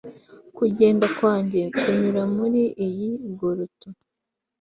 kugenda kwanjye kunyura muri iyi grotto